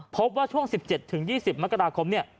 พบว่าช่วง๑๗๒๐มกราคม